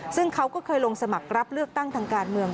ซึ่งเขาก็เคยลงสมัครรับเลือกตั้งทางการเมือง